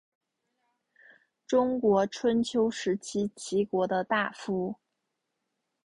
中国春秋时期齐国的大夫。